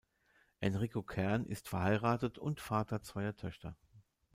Enrico Kern ist verheiratet und Vater zweier Töchter.